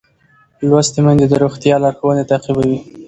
لوستې میندې د روغتیا لارښوونې تعقیبوي.